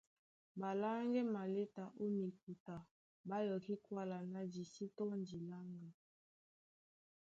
Ɓaláŋgɛ́ maléta ó mikuta ɓá yɔkí kwála ná di sí tɔ́ndi láŋga;